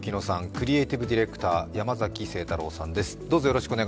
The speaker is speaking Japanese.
クリエーティブディレクター山崎晴太郎さんです。